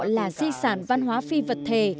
là di sản văn hóa phi vật thể